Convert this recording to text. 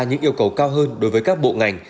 những yêu cầu cao hơn đối với các bộ ngành